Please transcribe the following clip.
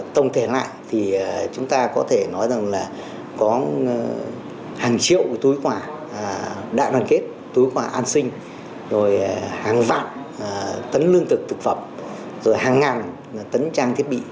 tổng thể lại thì chúng ta có thể nói rằng là có hàng triệu túi quả đại đoàn kết túi quả an sinh rồi hàng vạn tấn lương thực thực phẩm rồi hàng ngàn tấn trang thiết bị